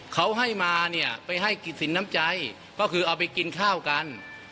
เขาให้มาเนี่ยไปให้กิจสินน้ำใจก็คือเอาไปกินข้าวกัน